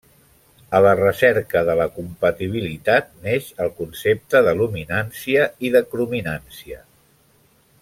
A la recerca de la compatibilitat neix el concepte de luminància i de crominància.